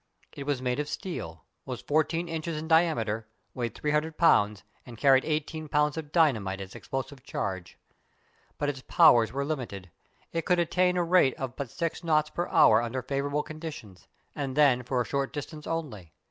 It was made of steel, was fourteen inches in diameter, weighed 300 lbs., and carried eighteen pounds of dynamite as explosive charge. But its powers were limited. It could attain a rate of but six knots an hour under favourable conditions, and then for a short distance only.